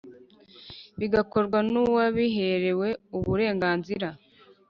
bigakorwa n uwabiherewe uburenganzira